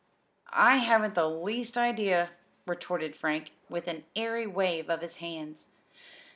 "I haven't the least idea," retorted Frank, with an airy wave of his hands.